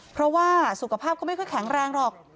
เพราะว่าสุขภาพก็ไม่ค่อยแข็งแรงหรอก